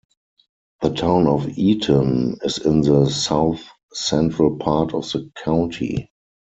The Town of Eaton is in the south-central part of the county.